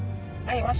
jangan kesin badan lu